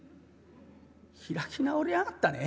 「開き直りやがったね。